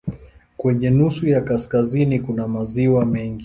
Kwenye nusu ya kaskazini kuna maziwa mengi.